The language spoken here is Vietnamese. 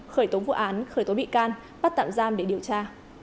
khởi tố vụ án khởi tố bị can bắt tạm giam để điều tra